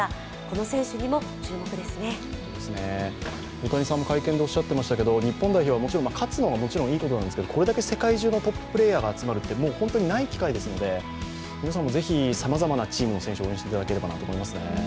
大谷さんも会見でおっしゃっていましたけど、日本代表は勝つのはもちろんいいことなんですけど、これだけ世界中のトッププレーヤーが集まるってない機会ですので皆さんもぜひさまざまなチームの選手を応援していただければと思いますね。